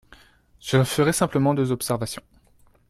Je ferai simplement deux observations.